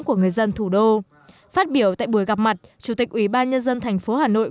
của người dân thủ đô phát biểu tại buổi gặp mặt chủ tịch ủy ban nhân dân thành phố hà nội